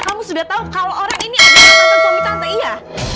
kamu sudah tahu kalau orang ini adalah nonton suami tante iya